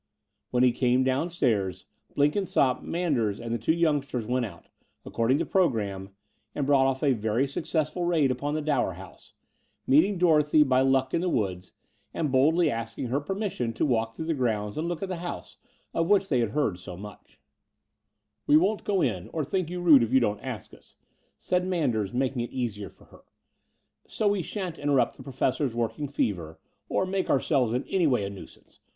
When he came downstairs, Blenkinsopp, Man ders, and the two youngsters went out, according to programme, and brought oflf a very successful raid upon the Dower House, meeting Dorothy by luck in the woods, and boldly asking her permission to walk through the grounds and look at the house, of which they had heard so much. 276 The Door of the Unreal We won't go in or think you rude if you don't ask us," said Manders, making it easier for her; so we shan't interrupt the Professor's working fever or make ourselves in any way a nuisance.